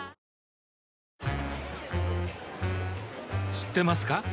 知ってますか？